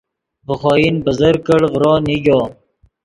ڤے خوئن بزرگ کڑ ڤرو نیگو